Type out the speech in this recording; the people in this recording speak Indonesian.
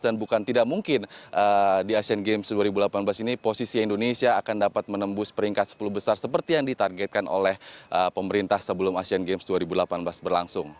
dan bukan tidak mungkin di asean games dua ribu delapan belas ini posisi indonesia akan dapat menembus peringkat sepuluh besar seperti yang ditargetkan oleh pemerintah sebelum asean games dua ribu delapan belas berlangsung